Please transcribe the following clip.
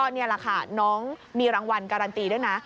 นี่แหละค่ะน้องมีรางวัลการันตีด้วยนะ